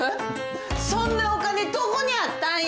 そんなお金どこにあったんや？